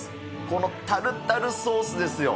このタルタルソースですよ。